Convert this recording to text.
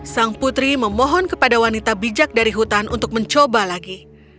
sang putri memohon kepada wanita bijak dari hutan untuk mencoba lagi